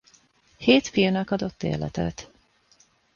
Hét fiúnak adott életet.